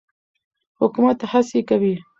حکومت هڅې کوي.